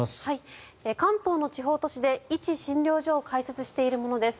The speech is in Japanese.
関東の地方都市でいち診療所を開設している者です。